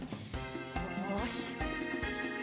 よし。